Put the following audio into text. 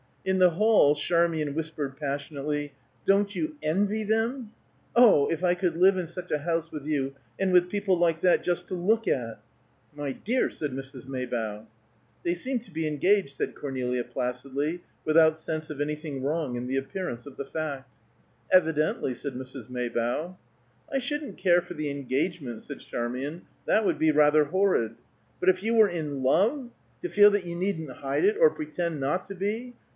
In the hall, Charmian whispered passionately, "Don't you envy them? Oh, if I could live in such a house with you, and with people like that just to look at!" "My dear!" said Mrs. Maybough. "They seem to be engaged," said Cornelia placidly, without sense of anything wrong in the appearance of the fact. "Evidently," said Mrs. Maybough. "I shouldn't care for the engagement," said Charmian. "That would be rather horrid. But if you were in love, to feel that you needn't hide it or pretend not to be!